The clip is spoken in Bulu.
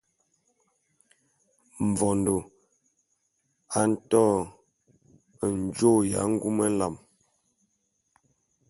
Mvondo a nto njôô ya ngume jal.